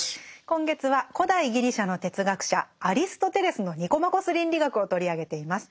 今月は古代ギリシャの哲学者アリストテレスの「ニコマコス倫理学」を取り上げています。